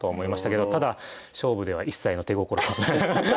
ただ勝負では一切の手心は。